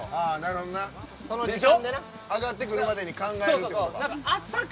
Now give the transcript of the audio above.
上がってくるまでに考えるってことか。